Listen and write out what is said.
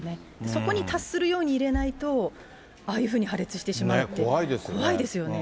そこに達するように入れないと、ああいうふうに破裂してしまうと怖いですね。